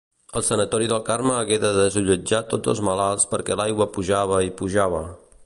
El Sanatori del Carme hagué de desallotjar tots els malalts perquè l'aigua pujava i pujava.